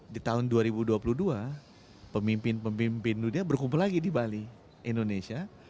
di tahun dua ribu dua puluh dua pemimpin pemimpin dunia berkumpul lagi di bali indonesia